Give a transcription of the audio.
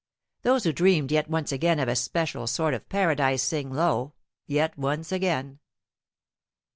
Those who dreamed yet once again of a special sort of Paradise sing low yet once again.